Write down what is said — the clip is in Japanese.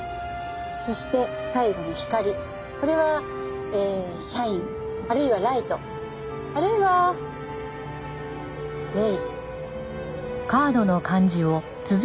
そして最後の「光」これはえー「シャイン」あるいは「ライト」あるいは「レイ」。